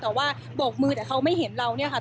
แต่บอกว่ามึงแต่เขาไม่เห็นเราตอนกี่โมงป่าน